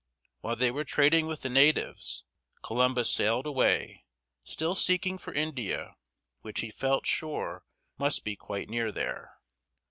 While they were trading with the natives, Columbus sailed away, still seeking for India, which he felt sure must be quite near there.